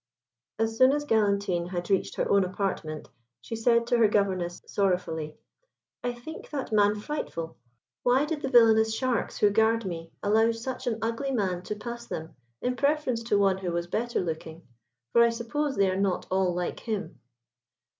As soon as Galantine had reached her own apartment, she said to her Governess, sorrowfully, "I think that man frightful. Why did the villainous sharks who guard me allow such an ugly man to pass them, in preference to one who was better looking? for I suppose they are not all like him."